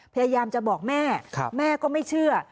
พยายามจะบอกแม่แม่ก็ไม่เชื่อ